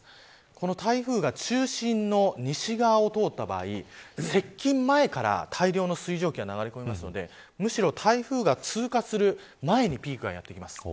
この台風が中心の西側を通った場合接近前から大量の水蒸気が流れ込むのでむしろ台風が通過する前にピークがやってきます。